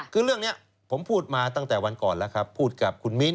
คือเรื่องนี้ผมพูดมาตั้งแต่วันก่อนแล้วครับพูดกับคุณมิ้น